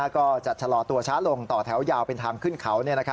ก็จะชะลอตัวช้าลงต่อแถวยาวเป็นทางขึ้นเขา